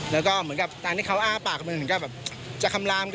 แล้วก็ตามที่เขาอ้างปากก็เองก็๗๒๐จ่ะคำลามก็ได้